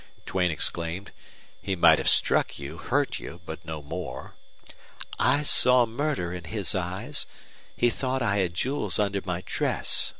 Duane exclaimed. "He might have struck you, hurt you, but no more." "I saw murder in his eyes. He thought I had jewels under my dress.